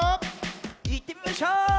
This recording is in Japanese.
いってみましょ！